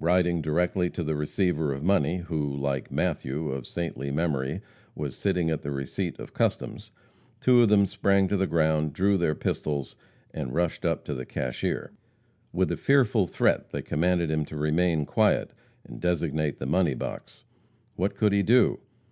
Riding directly to the receiver of money, who, like Matthew, of saintly memory, was sitting at the receipt of customs, two of them sprang to the ground, drew their pistols, and rushed up to the cashier. With a fearful threat they commanded him to remain quiet, and designate the money box. What could he do?